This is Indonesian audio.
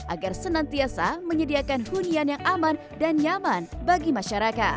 agar senantiasa menyediakan hunian yang aman dan nyaman bagi masyarakat